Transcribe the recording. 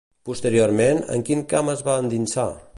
Posteriorment, en quin camp es va endinsar?